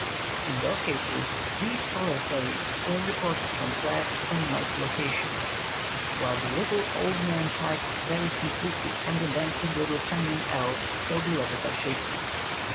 In both cases these taller fairies were reported from flat, plain like locations; while the little old man type varies completely from the dancing little feminine elf so beloved by Shakespeare.